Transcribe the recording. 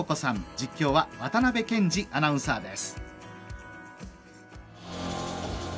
実況は渡辺憲司アナウンサーです。